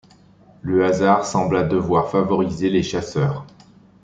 Le hasard sembla devoir favoriser les chasseurs.